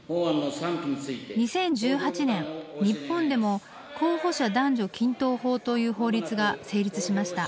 ２０１８年日本でも候補者男女均等法という法律が成立しました。